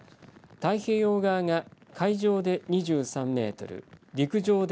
太平洋側が海上で２３メートル陸上で